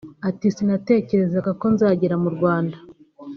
Ati “Sinatekerezaga ko nzagera mu Rwanda